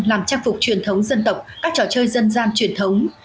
làm trang phục truyền thống dân tộc các trò chơi dân gian truyền thống